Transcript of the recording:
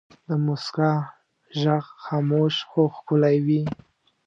د مسکا ږغ خاموش خو ښکلی وي.